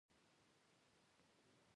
د نیمروز باغونه خرما لري.